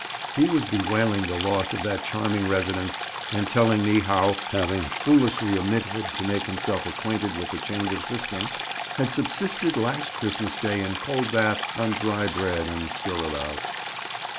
He was bewailing the loss of that charming residence, and telling me how, having foolishly omitted to make himself acquainted with the change of system, had subsisted last Christmas Day in "Coldbath" on dry bread and stirabout.